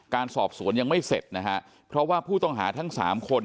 การสอบสวนยังไม่เสร็จนะฮะเพราะว่าผู้ต้องหาทั้งสามคน